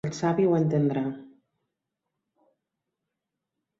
El savi ho entendrà.